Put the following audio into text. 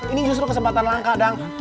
ini justru kesempatan langka dan